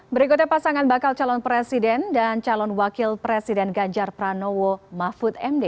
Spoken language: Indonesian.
berikutnya pasangan bakal calon presiden dan calon wakil presiden ganjar pranowo mahfud md